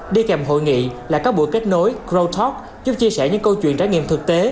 đi kèm hội nghị là các buổi kết nối growtok giúp chia sẻ những câu chuyện trải nghiệm thực tế